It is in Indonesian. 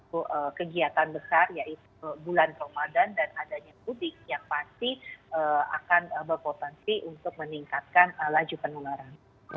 bulan ramadan dan adanya mudik yang pasti akan berpotensi untuk meningkatkan laju penularan